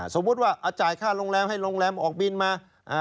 สมมุติว่าจ่ายค่าโรงแรมให้โรงแรมออกบินมา